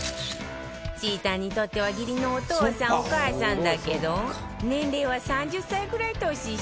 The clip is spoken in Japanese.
ちーたんにとっては義理のおとうさんおかあさんだけど年齢は３０歳くらい年下